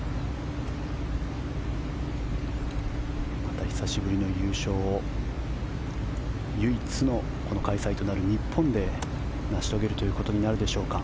また久しぶりの優勝を唯一の開催となるこの日本で成し遂げるということになるでしょうか。